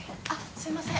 すみません。